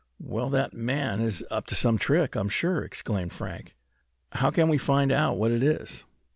"Well, that man is up to some trick, I'm sure!" exclaimed Frank. "How can we find out what it is?"